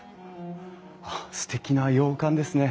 あっすてきな洋館ですね。